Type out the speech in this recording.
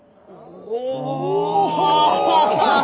お！